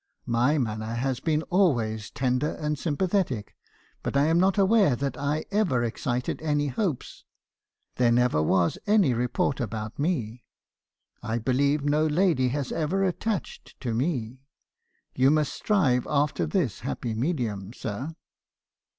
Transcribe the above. My manner has been always tender and sympathetic; but I am not aware that I ever excited any hopes; there never was any report about me. I believe no lady was ever attached to me. You must strive after this happy medium, sir.'